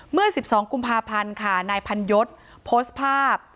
เมื่อ๑๒กุมภาพันธ์ค่ะนายพันยศโพสต์ภาพ